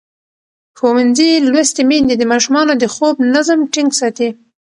ښوونځې لوستې میندې د ماشومانو د خوب نظم ټینګ ساتي.